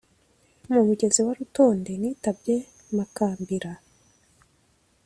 Mu mugezi wa Rutonde nitabye Makambira